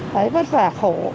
đấy vất vả khổ